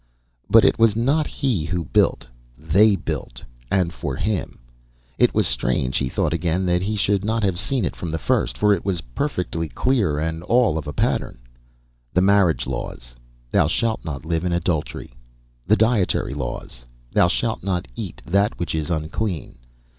But it was not he who built. They built, and for him. It was strange, he thought again, that he should not have seen it from the first. For it was perfectly clear and all of a pattern. The marriage laws. Thou shalt not live in adultery. The dietary laws. _Thou shalt not eat that which is unclean.